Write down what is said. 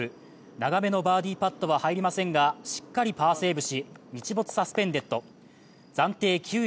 長めのバーディーパットは入りませんが、しっかりパーセーブし、日没サスペンデッド。暫定９位